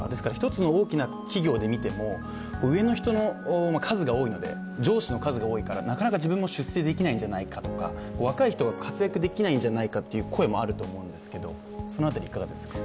１つの大きな企業で見ても、上の人の数が多いので、上司の数が多いから、なかなか自分も出世できないんじゃないかとか若い人が活躍できないんじゃないかという声もあると思うんですが、いかがですか。